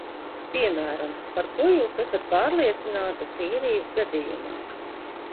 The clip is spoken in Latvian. Piemēram, par ko jūs esat pārliecināta Sīrijas gadījumā?